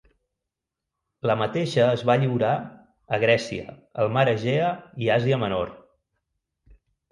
La mateixa es va lliurar a Grècia, el Mar Egea i Àsia Menor.